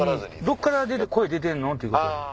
どっから声出てんの？っていうことや。